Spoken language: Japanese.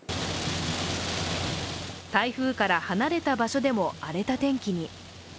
台風から離れた場所でも荒れた天気に。